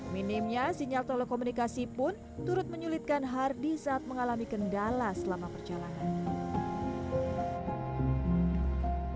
minimnya sinyal telekomunikasi pun turut menyulitkan hardy saat mengalami kendala selama perjalanan